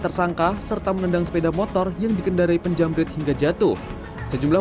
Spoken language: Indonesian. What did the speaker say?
tersangka serta menendang sepeda motor yang dikendarai penjamret hingga jatuh sejumlah